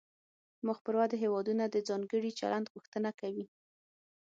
مخ پر ودې هیوادونه د ځانګړي چلند غوښتنه کوي